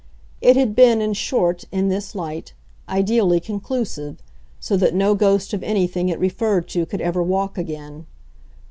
It had been, in short, in this light, ideally conclusive, so that no ghost of anything it referred to could ever walk again.